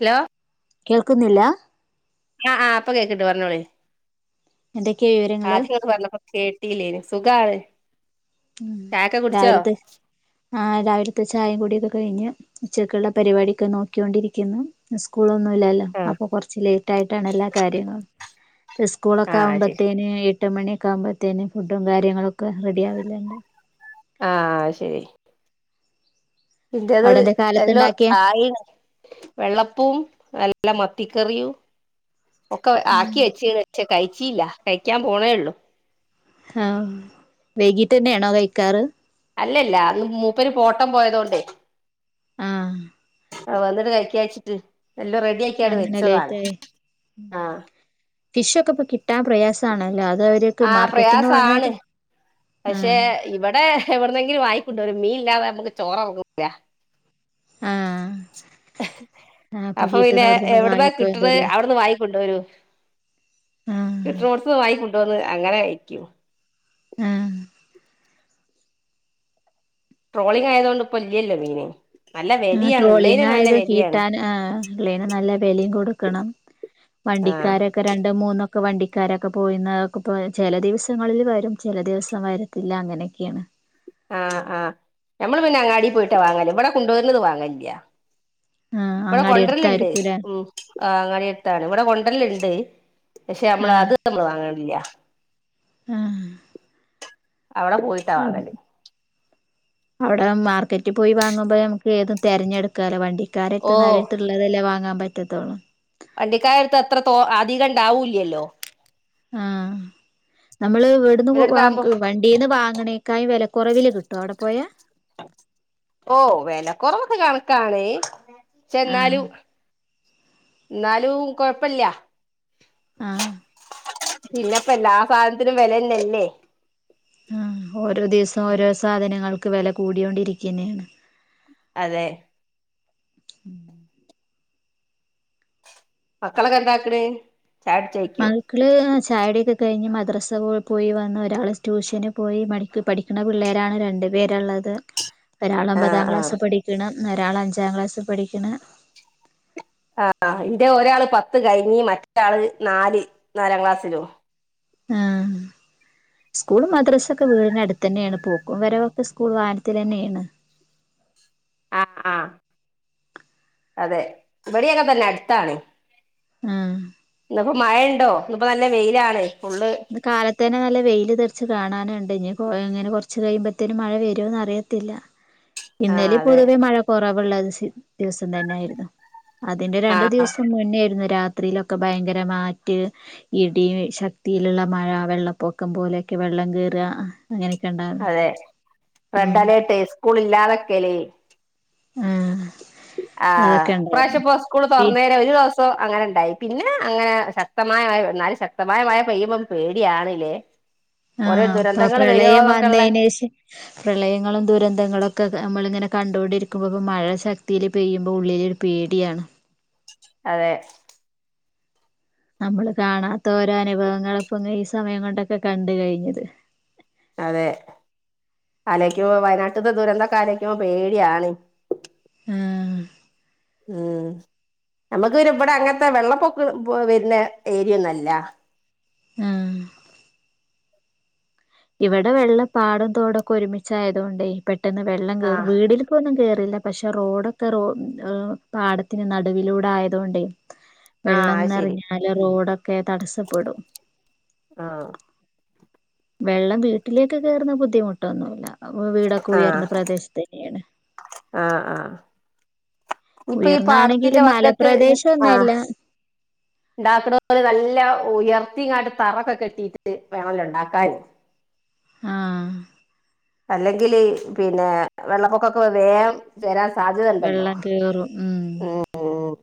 Hello. കേൾക്കുന്നില്ല ആഹ് ആഹ് ഇപ്പ കേക്ക്ൺണ്ട് പറഞ്ഞോളിം എന്തൊക്കെയാ വിവരങ്ങള് ആഹ് [unintelligible] പർഞപൊ കേട്ടിലേന് സുഖാണ് ചായക്കെ കുട്ച്ചോ രാവിലത്തെ ആഹ് രാവിലത്തെ ചായി കുടിയൊക്ക കഴിഞ്ഞു ഉച്ചക്കുള്ള പരിപാട്യൊക്ക നോക്ക്യോണ്ടിരിക്കുന്നു സ്കൂള അല്ല അല്ല ആ അപ്പ കൊറ്ച്ച് ലേറ്റായിട്ടാണ് എല്ലാ കാര്യങ്ങളും ആ സ്കൂളൊക്കെ ശരി ആവുമ്പത്തേന് എട്ട് മണിയൊക്ക ആവുമ്പഴത്തേന് ഫുഡും കാര്യങ്ങളൊക്ക റെഡി ആവലണ്ട് ആഹ് അഹ് ശരി ഇന്റത് അവിടെ എന്താ എല്ലൊം കാലത്തുണ്ടാക്കിയ ആയീണ് വെള്ളപ്പം നല്ല മത്തിക്കറിയും ഒക്കെ ആക്കി വച്ചീന് കയിച്ചീല്ല കയിക്കാൻ പോണേ ഉള്ളു ആഹ് വൈകീട്ടന്ന്യാണൊ കഴിക്കാറ് അല്ലല്ല ഇന് മൂപ്പര് ഓട്ടം പോയതോണ്ടേ ആഹ് ആഹ് വന്നിട്ട് കയിക്കാച്ചിട്ട് എല്ലൊം റെഡിയാക്കിങ്ങ്ട് അങ്ങനെ വെച്ചതാണ് ആഹ് ഫിഷൊക്കെ ഇപ്പൊ കിട്ടാൻ പ്രയാസാണല്ലോ അത് അവര്ക് ആ മാർക്കറ്റ്ന്ന് പ്രയാസാണ് വാങ്ങാതെ പക്ഷെ ആഹ് ഇവടെ എവട്ന്നെങ്കിലും വാങ്ങികുണ്ടോരും മീൻ ഇല്ലാതെ ഞമ്മക്ക് ചോററങ്ങൂല ആഹ് ആഹ് അപ്പൊ പിന്നെ കിട്ടുന്നോടത്ത്ന്ന് എവ്ട്ന്നാ കിട്ട്ണെഹ് വാങ്ങിക്കൊണ്ടല്ലേ അവ്ട്ന്ന് വാങ്ങി ക്കൊണ്ട് വരും ആഹ് കിട്ട്ണോട്ത്ത്ന്ന് വാങ്ങികൊണ്ട് വന്ന് അങ്ങനെ കഴിക്കും ആഹ് ട്രോളിങ് ആയതോണ്ട് ഇപ്പൊ ഇല്ല്യല്ലോ മീന് നല്ല ആഹ് വെലയാണ് ഉള്ളേന് ട്രോളിംഗ് നല്ല ആയത് വെലയാണ് കീട്ടാന് ആഹ് ഇള്ളേന് നല്ല വെലയും കൊടുക്കണം ആഹ് വണ്ടിക്കാരൊക്കെ രണ്ട് മൂന്നൊ ക്കെ വണ്ടിക്കാരൊക്കെ പോയിന്നതൊക്കെ ഇപ്പള് ചെല ദിവസങ്ങളില് വരും ചെല ദിവസം വരത്തില്ല അങ്ങനെക്ക്യേണ് ആഹ് ആഹ് ഞമ്മള് പിന്നെ അങ്ങാടി പോയിട്ടാ വാങ്ങല് ഇവടെ കൊണ്ടുവര്ണത് വാങ്ങലില്ല്യാ ആഹ് ഇവടെ അങ്ങാടി കൊണ്ടെര്ല്ണ്ട് അടുത്തായിരിക്കൂലേ ഉം ആഹ് അങ്ങാടി എര്ത്താണ് ഇവടെ കൊണ്ടെര്ല്ണ്ട് പക്ഷെ അമ്മള് ആഹ് അത് അമ്മള് വാങ്ങലൊന്നുംല്ല്യ ആഹ് ആഹ് അവട പോയി വേങ്ങും അവടെ മാർക്കറ്റി പോയി വാങ്ങുമ്പയ് ഞമക്ക് ഏതും തെരഞ്ഞെട് ക്കാലോ വണ്ടിക്കാരെര്ത്ത്ന്ന് ഓഹ് അവരെര്ത്ത്ള്ളതല്ലേ വാങ്ങാൻ പറ്റത്തൊള്ളൂ വണ്ടിക്കാരെട്ത്ത് അത്ര തോ അധികം ഇണ്ടാവൂല്ല്യല്ലോ ആഹ് നമ്മള് ഇവ്ട്ന്ന് പോ ഇവരടുത്താകുമ്പോ വാങ്ങിക്ക് വ ണ്ടീന്ന് വാങ്ങ്ണേക്കായും വെലക്കൊറവില് കിട്ടോ അവ്ടെ പോയാ ഓഹ് വെല കൊറവൊക്കെ കണക്കാണ് പക്ഷെ ആഹ് ന്നാലും ന്നാലും കൊഴപ്പല്ല്യ ആഹ് പിന്നെപ്പ എല്ലാ സാനത്തിനും വെലെന്നല്ലേ ആഹ് ഓരോ ദിവസം ഓരോ സാധനങ്ങൾക്ക് വെല കൂടിയോണ്ടിരിക്ക്യെന്നേണ് അതെ മക്കളൊക്കെ എന്താക്ക്ണ് ചായ കുടിച്ചോയ്ക്ക്യോ മക്കള് ചായുടിയൊക്കെ കഴിഞ്ഞ് മദ്രസെ പോയി പോയി വന്ന് ഒരാള് ട്യൂഷന് പോയി മടിക്ക് പഠി ക്ക്ണ പിള്ളേരാണ് രണ്ട് പേരാള്ളത് പ്പൊ ഒരാള് ആഹ് ഒമ്പതാം ക്ലാസ് ആഹ് പഠിക്ക്ണ് ഒരാള് അഞ്ചാം ക്ലാസ് പഠിക്ക്ണ് ആഹ് ആഹ് ഇന്റെ ഒരാള് പത്ത് കഴിഞ്ഞ് മറ്റ ആള് നാല് നാലാം ക്ലാസ്സിലു ആഹ് സ്കൂളും മദ്രസൊക്കെ വീടിനട്ത്തെന്നേണ് പോക്കും വെരവൊക്കെ സ്കൂൾ വാഹനത്തിലെന്നേണ് ആഹ് ആഹ് അതെ ഇവടിം അങ്ങൻതന്നെ അട്ത്താണ് ആഹ് ഇന്ന് ഇപ്പൊ മഴ ഇണ്ടോ ഇന്ന് ഇപ്പ നല്ല വെയ്ലാണ് ഫുള്ള് ഇന്ന് കാലത്തേനെ നല്ല വെയ്ല് തെർച്ച് കാണാന് ഇണ്ട് ഇഞ്ഇപ്പൊ എങ്ങനെ കൊർച്ച് കയ്യുമ്പത്തേനും മഴ വെരോന്ന് അറിയത്തില്ല ആഹ് ഇന്നലി അതെ പൊതുവേ മഴ കൊറവ്ള്ള ദിസി ദിവസം തന്നെ ആയിര്ന്നു അതിന്റെ രണ്ടു ആഹ് ദിവസം മുന്നെ ആയിരുന്നു രാത്രിയിലൊക്കെ ഭയങ്കര മാറ്റ് ഇടി ശക്തിയില്ള്ള മഴ വെള്ളപ്പൊക്കം പോലെ ഒക്കെ വെള്ളം കേറാ അങ്ങനെക്കെ ഇണ്ടാ അതെ റെഡ് അലേർട്ട് സ്കൂള് ഇല്ലാതെക്കല് ആഹ് ആഹ് അതൊക്കെ ഈ പ്രാവശ്യം ഉണ്ടായിരുന്നു ഇപ്പൊ സ്കൂള് പി തൊറന്നേരെ ഒരു ദിവസ സം അങ്ങനെ ഇ ണ്ടായി പിന്നെ അങ്ങനെ ശക്തമായ മഴ എന്നാലും ശക്തമായ മഴ പെയ്യുമ്പംമ്മ് പേടിയാണ്ല്ലേ ഓരോ ആഹ് ഇപ്പ ദുരന്തങ്ങൾ പ്രളയം വരുവോന്നൊക്കെ ഉള്ളെ വന്നയിനേശ പ്രളയങ്ങളും ദുരന്തങ്ങളും ഒക്കെ നമ്മള് ഇങ്ങനെ കണ്ട് കൊണ്ട് ഇണ്ടിരിക്കുമ്പോ ഇപ്പോ മഴ ശ ത്തീല് പെയ്യുമ്പോ ഉള്ളിലൊരു പേടിയാണ് അതെ നമ്മള് കാണാത്ത ഓരോ അനുഭവങ്ങൾ ഇപ്പ ഈ സമയം കൊണ്ട് ഒക്കെ കണ്ട് കഴിഞ്ഞത് അതെ അലക്കുമ്പ വയനാട്ടത്തെ ദുരന്തം ഒക്കെ ആലോയിക്കുമ്പ പേടിയാണ് ആഹ് ഉം നമ്മക്ക് ഇവിടെ അങ്ങൻത്തെ വെള്ളപ്പൊക്കം വെരുന്ന ഏരിയ ഒന്നും അല്ല ആഹ് ഇവടെ വെള്ളം പാടം തോട് ഒക്കെ ഒരുമിച്ച് ആയതോണ്ടേ പെട്ടെന്ന് വെള്ളം കേറും ആഹ് വീടില് ഇപ്പോ ഒന്നും കേറില്ല പക്ഷേ റോഡ് ഒക്കെ റോ പാടത്തിന് നടുവിലൂടെ ആയതോണ്ടേ ആഹ് വെള്ളം അത് ശരി നെറഞ്ഞാല് റോഡ് ഒക്കെ തടസ്സപ്പെടും ആഹ് വെള്ളം വീട്ടിലേക്ക് കേറുന്ന ബുദ്ധിമുട്ട് ഒന്നും ഇല്ല വീട് ഒക്കെ ആഹ് ഉയർന്ന പ്രദേശത്തന്നെ ഏണ് ആഹ് ആഹ് ഇപ്പൊ ഈ പാടത്തിന്റെ ഉയർന്നാണെങ്കിലും വക്കത്ത് മലപ്രദേശം ഒന്നും അല്ല ണ്ടാക്ണോല് നല്ല ഉയർത്തിങ്ങാട്ട് തറക്കെ കേട്ടിയിട്ട് വേണോല്ലോ ഒണ്ടാക്കാൻ ആഹ് അല്ലെങ്കില് പിന്നെ വെള്ളപ്പൊക്കം ഒക്കെ വന്ന് വേം വെരാൻ സാധ്യതണ്ടല്ലോ വെള്ളം കേറും ഉം ഉം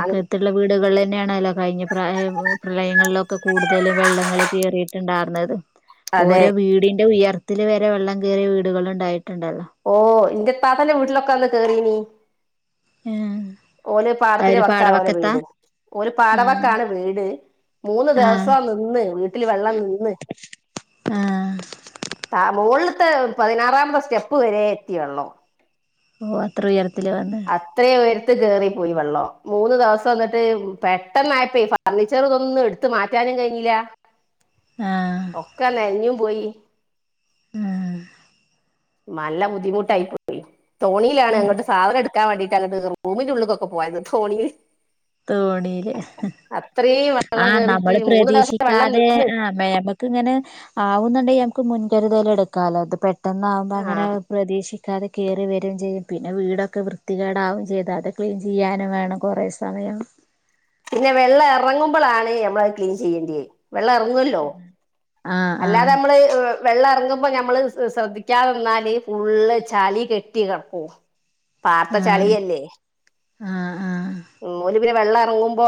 അഹ് ത്തിള്ള വീടുകളെന്നേണല്ലോ കഴിഞ്ഞ പ്ര പ്രളയങ്ങളില് ഒക്കെ കൂടുതല് വെള്ളങ്ങള് കേറിയിട്ട് ണ്ടാർന്നത് അതെ ഓരോ വീടിന്റെ ഉയർത്തില് വരെ വെള്ളം കേറിയ വീടുകള് ണ്ടായിട്ട്ണ്ടല്ലോ ഓഹ് ഇന്റെ ഇത്താത്താന്റെ വീട്ടിലൊക്കെ അന്ന് കേറിനി ഏഹ് ഓല് പാടത്തിന്റെ വക്കാണ് ഓല് വീട് ഓല് ആഹ് പാടവക്കാണ് വീട് മൂന്ന് ആഹ് ദെവസം നിന്ന് വീട്ടില് വെള്ളം നിന്ന് ആഹ് ത മൊളിലത്തെ പതിനാറാമത്തെ സ്റ്റെപ്പ് വരെ എത്തി വെള്ളോ ഓഹ് അത്ര ഉയരത്തില് വന്ന് അത്ര ഉയരത്തി കേറി പോയി വെള്ളം മൂന്ന് ദെവസം ന്നട്ട് പെട്ടെന്ന് ആയപ്പേ ഫർണിച്ചർ ഇത് ഒന്നും എടുത്ത് മാറ്റാനും കഴിഞ്ഞില്ല ആഹ് ഒക്കെ നെനഞ്ഞും പോയി ആഹ് മല്ല ബുദ്ധിമുട്ട് ആയിപ്പോയി തോണിലാണ് അങ്ങോട്ട് സാധനം എടു നിക്കാവേണ്ടിട്ട് അങ്ങട്ട് റൂമിന്റെ ഉള്ള്ക്കൊക്കെ പോയത് തോണിയില് തോണിയില് അത്രയും വെള്ളം ആഹ് കേറിയിട്ട് നമ്മള് മൂന്ന് ദിവസം വെള്ളം പ്രതീക്ഷിക്കാതെ നിന്ന് ആഹ് മേമ ക് ഇങ്ങനെ ആവുന്നുണ്ടെങ്കി ഞമുക്ക് മുൻകരുതല് എടുക്കാല്ലോ അത് പെട്ടെന്ന് ആവുമ്പോ ആ അങ്ങനെ പ്രതീക്ഷിക്കാതെ കേറി വെരും ചെയ്യും പിന്നെ വീടൊക്കെ വൃത്തികേടാവും ചെയ്താ അതെ ക്ലീൻ ചെയ്യാനും വേണം കൊറേ സ സമയം പിന്നെ വെള്ളം എറങ്ങുമ്പളാണ് ഞമ്മളത് ക്ലീൻ ചെയ്യേണ്ട്യേ വെള്ളം എർങ്ങോല്ലോ ആഹ് അല്ലാതെ ആഹ് നമ്മള് വെള്ളർങ്ങുമ്പോ ഞമ്മള് ശ്രദ്ധിക്കാതെന്നാല് ഫുള്ള് ചളി കെട്ടി കെടക്കും പാട്ത്ത ആഹ് ചളിയല്ലേ ആഹ് ആഹ് ഓല് പിന്നെ വെള്ളം എറങ്ങുമ്പോ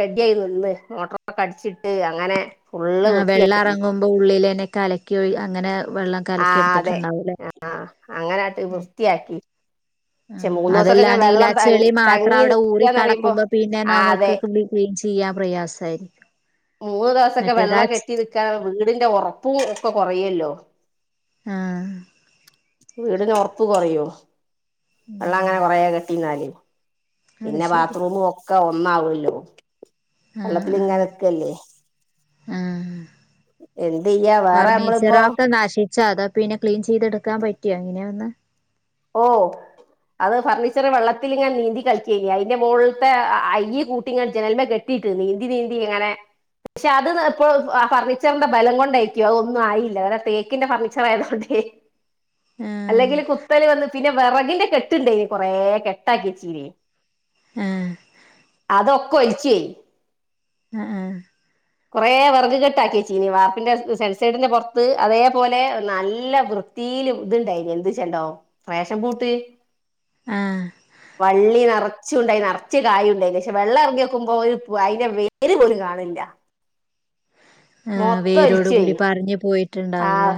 റെഡി ആയിന്ന് മോട്ടോറൊക്കെ അടിച്ചിട്ട് അങ്ങനെ ഫുള്ള് ആഹ് വെള്ളം വൃത്തിയാക്കി എറങ്ങുമ്പോ ഉള്ളിലന്നെ കലക്കിഒഴി അങ്ങനെ വെള്ളം കലക്കി ആഹ് അതെ എടുത്തിട്ടുണ്ടാവൂല്ലേ ആഹ് ആഹ് അങ്ങനാട്ട് വൃത്തിയാക്കി. പക്ഷെ മൂന്ന് ദിവസൊക്കെ ഇങ്ങനെ അതെല്ലാതേലെ വെള്ളം തങ്ങി ചെളി മാത്രം തങ്ങി അവടെ ഊറി നിക്കാന്ന് പറയുമ്പോ കെടക്കുമ്പോ പിന്നെ ആ നമ്മൾക്ക് അതെ [unintelligible] ക്ളീൻ ചെയ്യാൻ പ്രയാസായിരിക്കും. മൂന്ന് ദിവസൊക്കെ മറ്റേതാ വെള്ളം കെട്ടി നിക്കാൻ വീടിന്റെ ഒറപ്പും ഒക്കെ കൊറയല്ലോ. ആഹ് വീടിന് ഒർപ്പ് കൊറയോ വെള്ളം അങ്ങനെ ഉം കൊറേ കെട്ടിന്നാല്? അത് പിന്നെ ശരി ബാത്റൂമും ഒക്കെ ഒന്നാവല്ലോ ആ ആ വെള്ളത്തിങ്ങനെ നിക്കല്ലേ. ആ എന്തെയ്യ വേറെ നമ്മളിപ്പോ ചാത പിന്നെ ക്ലീൻ ചെയ്തെടുക്കാൻ പറ്റ്യോ അങ്ങനെ ഒന്ന് ഓഹ്. അത് ഫർണീച്ചർ വെള്ളത്തില് ഇങ്ങനെ നീന്തി കളിക്കേനി അയ്ന്റെ മോൾത്തെ അയ്യ് കൂട്ടിങ്ങനെ ജനൽമ്മെ കെ ട്ടീട്ട് നീന്തി നീന്തി ഇങ്ങനെ പക്ഷെ അത് ഇപ്പോ ആഹ് ഫർണിച്ചർന്റെ ബലം കൊണ്ടേയിക്ക്യും അതൊന്നും ആയില്ല തേക്കിന്റെ ഫർണീച്ചർ ആയത് കൊണ്ടേ ആ അല്ലെങ്കില് കുത്തല് വന്ന് പിന്നെ വെറകിന്റെ കെട്ട്ണ്ടേനി കൊറേ കെട്ടാക്കിച്ചീനി. ആ അതൊക്കെ ഒൽച്ചെ ആഹ് ആഹ്. കൊറേ വെർക് കെട്ടാക്കെച്ചീനി വാർപ്പിന്റെ സെൻസയ്ഡിന്റെ പൊർത്ത് അതേപോലെ നല്ല വൃ ത്തീല് ഇത് ഇണ്ടായിനി എന്ത്‌ച്ചണ്ടോ റേഷൻ പൂട്ട്? ആഹ് വള്ളി നർച്ചുണ്ടായ് നർച്ച് കായുംണ്ടേനി പക്ഷെ വെള്ളം എറങ്ങ്യോക്കുമ്പോ ഒരു അയ്ന്റെ വേ ര് പോലും കാണില്ല. ആ വേരോട് മൊത്തൊൽച്ചോയി കൂടി പറഞ്ഞു ആഹ്. പോയിട്ടുണ്ടാവൂല്ലേ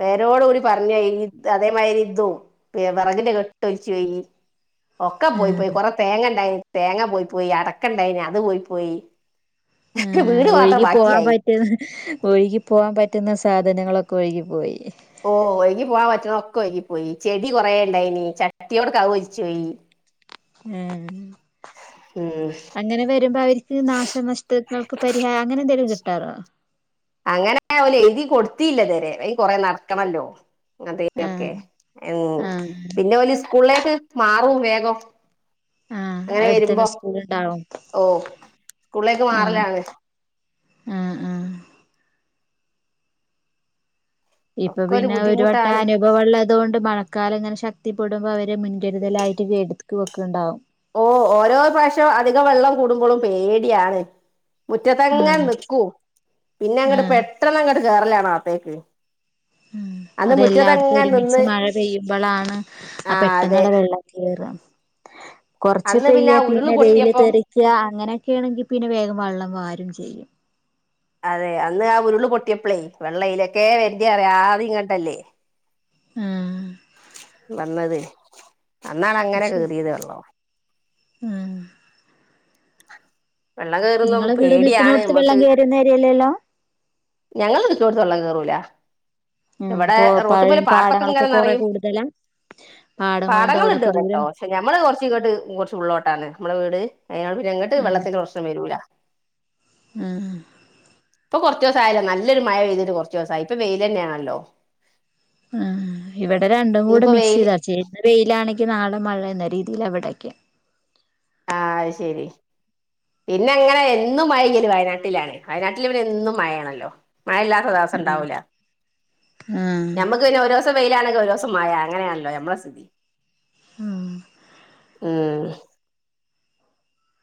വേരോട് കൂടി പറഞ്ഞോയി അതേമാരിതും. ഏഹ് വെറകിന്റെ കെട്ട് ഒൽച്ചോയി. ഒക്കെ ആ പോയ് പോയ് കൊറെ തേങ്ങ ഇണ്ടായ്നി തേങ്ങ പോയ് പോയ് അടക്ക ഇണ്ടായ്നി അത് പോയ് പോയി. ആ ക്ക് വീട് മാത്രം ഒഴുകി പോവാൻ ബാക്കിയായി. ഒഴുകി പോവാൻ പറ്റുന്ന സാധനങ്ങളൊക്കെ ഒഴുകി പോയി. ഓഹ് ഒയ്കി പോവാൻ പറ്റ്ണൊക്കെ ഒയ്കി പോയി ചെടി കൊറേണ്ടായിനി ചട്ടിയോട്ക്കെ അത് ഒലിച്ചു പോയി. ഉം ഉം ഇങ്ങനെ വരുമ്പോ അവര്ക്ക് നാശനഷ്ടങ്ങൾക്ക് പരിഹാ അങ്ങനെ എന്തെങ്കിലും കിട്ടാറോ അങ്ങനെ ഓല് എയ്തി കൊടുത്തില്ല ഇതവരെ അയ്ന് കൊറേ നടക്കണല്ലോ ആ അതെയൊക്കെ ഉം ആ പിന്നെ ഓല് സ്കൂൾലേക്ക് മാറും വേഗം. ആ ഇങ്ങനെ അടുത്തന്നെ വരുമ്പോ സ്കൂൾ ഉണ്ടാവും ഓഹ് സ്കൂളേക്ക് ആ മാറലാണ്. ആ ആ ഇപ്പൊ ഒക്കെ പിന്നെ ഒരു വട്ടം ബുദ്ധിമുട്ടാണ് അനുഭവള്ളതോണ്ട് മ ക്കാല ഇങ്ങനെ ശക്തിപ്പെടുമ്പോ അവര് മുൻകരുതലായിട്ട് എട്ത്ത് വെക്ക്ണ്ടാവും. ഓഹ് ഓരോ പ്രാവശ്യോം അധികം വെള്ളം കൂടുമ്പളും പേടിയാണ്. മുറ്റത്തങ്ങനെ ആഹ് നിക്കും പിന്നെ അങ്ങട് ആഹ് പെട്ടന്ന് അങ്ങട് കേറലാണ് ആത്തേക്ക്. അതെല്ലാട്ത്തും ഒരുമിച്ച് മഴ പെയ്യുമ്പളാണ് ആ ആഹ് അതെ പെട്ടെന്നങ്ങട്‌ വെള്ളം കേറ കൊർച്ച് അന്ന് പെയ്യ ആ ഉരുള് പിന്നെ വെയില് പൊട്ടിയപ്പം തെറി ക്ക്യാ അങ്ങനൊക്കെണെങ്കി പിന്നെ വേഗം വള്ളം വാരും ചെയ്യും. അതെ അന്ന് ആ ഉരുള് പൊട്ട്യപ്ലേ വെള്ളയ്ലൊക്കെ വരണ്ടേ അറിയാ ആദ്യം ഇങ്ങട്ടല്ലേ. ആഹ്. വന്നത് അന്നാണ് അത് അങ്ങനെ ശരി കേറ്യത് വെള്ളം. ആഹ് വെള്ളം കയറുന്ന നിങ്ങള് വീട് പേടിയാണ് നിക്കണോടത്ത് നമ്മക്ക് വെള്ളം കേറുന്ന ഏരിയല്ലല്ലോ ഞങ്ങള ചുറ്റോട്ത്ത് വെള്ളം കേറൂല ഉം ഇവടെ പോ പഴയ റോട്ടുമ്മല് പാടത്തൊക്കെ പാടങ്ങളൊക്കെ ഇങ്ങനെ കൊറെ നറയും കൂടുതലാ പാടങ്ങളും പാടങ്ങൾ ഇണ്ട് തോടൊക്കെ ദൂരെ ഇവടെട്ടോ പക്ഷെ ഞമ്മള് കൊറച്ച് ഇങ്ങട്ട് കൊറച്ച് ഉള്ളോട്ടാണ് നമ്മളെ വീട് അതോണ്ട് പിന്നെ ഇങ്ങട്ട് വെള്ളത്തിൻ്റെ പ്രശ്നം വരൂല ഉം ഇപ്പ കൊറച്ച് ദിവസായല്ലോ നല്ലൊരു മഴ പെയ്തിട്ട് കൊറച്ച് ദിവസായി ഇപ്പ വെയിലന്നെണല്ലോ ആഹ് ഇവടെ രണ്ടും കൂടെ ഇന്നിപ്പോ മിക്സ് വെയില് ചെയ്താ ചേർന്ന് വെയിലാണെങ്കിൽ നാളെ മഴ എന്ന രീതിയിലാ ഇവടൊക്കെ ആഹ് അത് ശരി പിന്നെ ഇങ്ങനെ എന്നും മഴപെയ്യല് വയനാട്ടിലാണ് വയനാട്ടില് പിന്നെ എന്നും മഴയാണല്ലോ മഴയില്ലാത്ത ദിവസം ആഹ് ഉണ്ടാവൂല ആഹ് നമ്മക്ക് പിന്നെ ഓരോ ത്ത് വെയിലാണെങ്കിൽ ഒരുദിവസം മഴ അങ്ങനേണല്ലോ ഞമ്മളെ സ്ഥിതി ആഹ് ഉം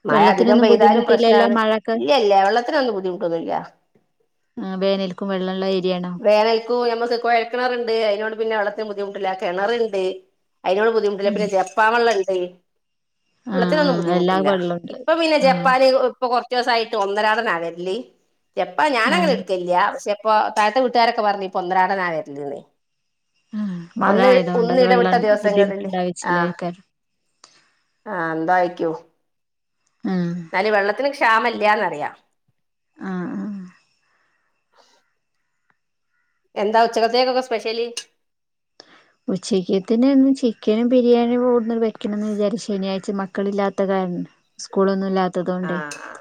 മഴ അധികം വെള്ളത്തിനൊന്നും പെയ്താലും ബുദ്ധിമുട്ടില്ലല്ലോ പ്രശ്നമാണ് മഴൊക്കെ ഇല്ല്യല്ല വെള്ളത്തിനൊന്നും ബുദ്ധിമുട്ടൊന്നുല്ല്യാ വേനൽക്കും വെള്ളള്ള ഏരിയേണ് വേനൽക്കു ഞമ്മ്ക്ക് കുഴൽ ക്കിണറ്ണ്ട് അതിനോട് പിന്നെ വള്ളത്തിനും ബുദ്ധിമുട്ടില്ല കിണറ്ണ്ട് അതിനോട് ബു ദ്ധിമുട്ടില്ല ഉം പിന്നെ ജപ്പാംവെള്ളണ്ട് ആഹ് വെള്ളത്തിനൊന്നും ആഹ് എല്ലാ ബുദ്ധിമുട്ടില്ല വെള്ളണ്ട് ഇപ്പൊ പിന്നെ ആഹ് ജപ്പാന് ഇപ്പൊ കൊറ ച്ചോസായിട്ട് ഒന്നരാടനാ വെര്ല് ജപ്പാ ഞാനങ്ങനെ ആഹ് ഇട്ക്കലില്യാ പക്ഷെ പ്പോ താഴത്തെ വീട്ടാരൊക്കെ പറഞ്ഞ് പ്പൊന്നരാടനാ വര്ല്ന്ന് ആഹ് മഴ ഒന്ന് ആയതുകൊണ്ട് ഒന്ന് ഇടവിട്ട വെള്ളം ദിവസങ്ങളില് ആഹ് ബുദ്ധിമുട്ടുണ്ടാവിച്ചില്ലായിരിക്കാരം ആഹ് ന്തായ്ക്കോ ഉം ന്നാല് വെള്ളത്തിന് ക്ഷാമല്ലാന്നറിയാ ആഹ് ആഹ് എന്താ ഉച്ചക്കത്തേക്കൊക്കെ സ്പെഷല് ഉച്ചക്കത്തേന് ഇന്ന് ചിക്കനും ബിരിയാണിയും കൊട്ന്ന് വെക്കണന്ന് വിചാരിച്ചീനി ശനിയാഴ്ച്ച മക്കളില്ലാത്ത കാരണം സ്കൂളൊന്നുല്ലാ ത്തതോണ്ടെയ് ആഹ്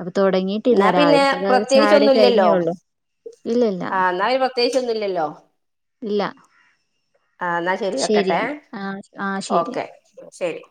അപ്പൊ തൊടങ്ങീട്ടില്ല എന്നാ പിന്നെ രാവിൽത്തക്കെ ചായുടി പ്രത്യേകിച്ചൊന്നുല്ലല്ലോ കഴിഞ്ഞേയൊള്ളു ഇല്ലല്ല ആഹ് എന്നാ പിന്നെ പ്രത്യേകിച്ചൊന്നുല്ലല്ലോ ഇല്ല ആഹ് ന്നാ ശരി വക്കട്ടെ ശരിയെന്നാ ആ ആ ശരി ഓക്കെ ശരി